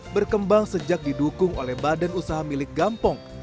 berkembang sejak didukung oleh badan usaha milik gampong